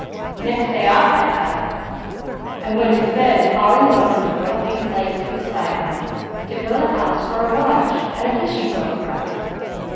Next day off I have, I'm going to spend hauling lumber to one of these lakes we decide on, to build a house for a launch and fishing boat for us.